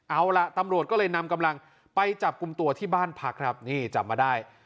เอาล่ะตำรวจก็เลยนำกำลังไปจับกลุ่มตัวที่บ้านพักครับนี่จับมาได้